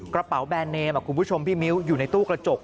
กระเป๋าแบรนดเนมคุณผู้ชมพี่มิ้วอยู่ในตู้กระจก